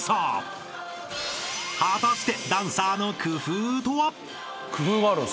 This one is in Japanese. ［果たして］